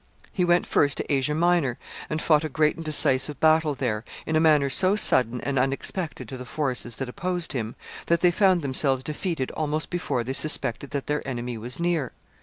He went first to Asia Minor, and fought a great and decisive battle there, in a manner so sudden and unexpected to the forces that opposed him that they found themselves defeated almost before they suspected that their enemy was near.